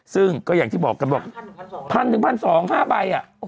ซึ่งก็อย่างที่บอกกันบอก๑๐๐๑๒๐๐ใบ